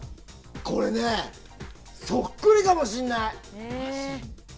これね、そっくりかもしれない！